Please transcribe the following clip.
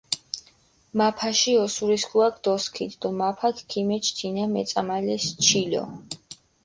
მაფაში ოსურისქუაქ დოსქიდჷ დო მაფაქ ქიმეჩჷ თინა მეწამალეს ჩილო.